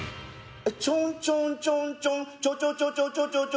ちょんちょんちょんちょんちょちょちょちょちょちょ。